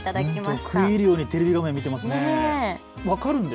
食い入るようにテレビ画面を見ていますね。